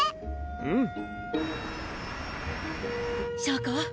うん翔子